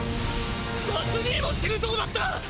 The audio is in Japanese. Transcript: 夏兄も死ぬとこだった！